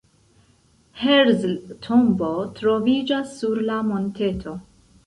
Herzl tombo troviĝas sur la monteto.